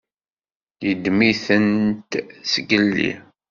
Yeddem-itent zgelli.